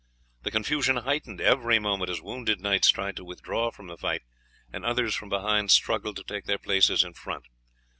The confusion heightened every moment as wounded knights tried to withdraw from the fight, and others from behind struggled to take their places in front.